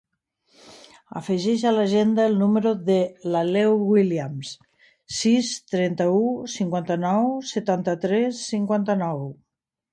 Afegeix a l'agenda el número de l'Aleu Williams: sis, trenta-u, cinquanta-nou, setanta-tres, cinquanta-nou.